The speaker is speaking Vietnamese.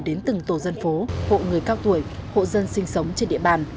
đến từng tổ dân phố hộ người cao tuổi hộ dân sinh sống trên địa bàn